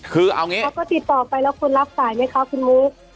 เขาก็ติดต่อไปแล้วคุณรับสายไหมคะคุณมุก